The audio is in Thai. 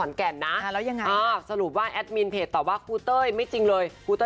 ลาก็ลาแต่ไม่ได้ลาเยอะหรอกนะ